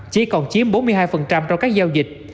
chỉ còn chiếm bốn mươi hai trong các giao dịch